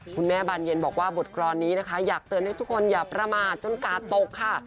บานเย็นบอกว่าบทกรอนนี้นะคะอยากเตือนให้ทุกคนอย่าประมาทจนกาดตกค่ะ